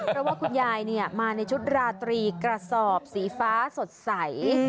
เพราะว่าคุณยายมาในชุดราตรีกระสอบสีฟ้าสดใส